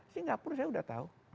singapura saya udah tahu